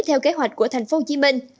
theo kế hoạch của thành phố hồ chí minh